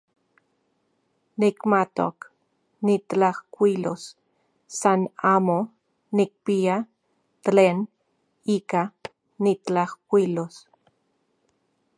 Nikmatok nitlajkuilos, san amo nikpia tlen ika nitlajkuilos.